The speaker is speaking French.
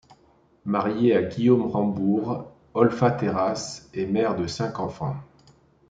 Mariée à Guillaume Rambourg, Olfa Terras est mère de cinq enfants.